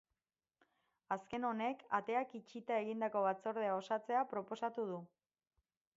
Azken honek ateak itxita egindako batzordea osatzea proposatu du.